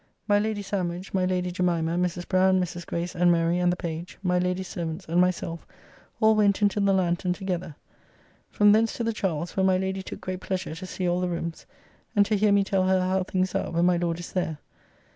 My Lady Sandwich, my Lady Jemimah, Mrs. Browne, Mrs. Grace, and Mary and the page, my lady's servants and myself, all went into the lanthorn together. From thence to the Charles, where my lady took great pleasure to see all the rooms, and to hear me tell her how things are when my Lord is there.